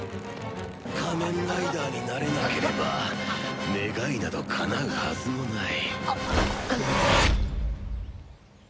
仮面ライダーになれなければ願いなどかなうはずもない。